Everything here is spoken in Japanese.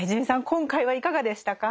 今回はいかがでしたか？